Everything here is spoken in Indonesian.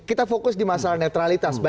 kita fokus di masalah netralitas mbak